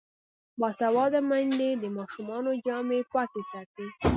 باسواده میندې د ماشومانو جامې پاکې ساتي.